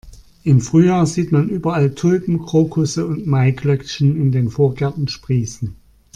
Im Frühjahr sieht man überall Tulpen, Krokusse und Maiglöckchen in den Vorgärten sprießen.